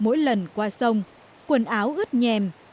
mỗi lần qua sông quần áo ướt nhèm